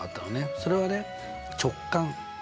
それはね直感。